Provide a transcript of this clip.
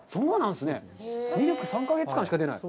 ミルク、３か月間しか出ない！？